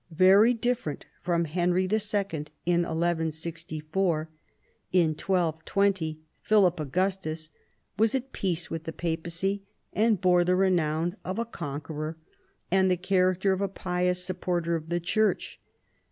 Very different from Henry II. in 1164, in 1220 Philip Augustus was at peace with the Papacy, and bore the renown of a conqueror and the character of a pious supporter of the Church.